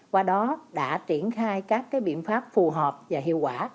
qua đó đã triển khai các biện pháp phù hợp và hiệu quả